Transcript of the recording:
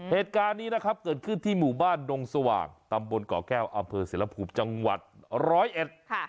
เหตุการณ์นี้นะครับเกิดขึ้นที่หมู่บ้านดงสว่างตำบลเกาะแก้วอำเภอเสรภูมิจังหวัดร้อยเอ็ดค่ะ